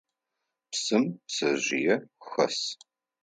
Псым пцэжъые хэс.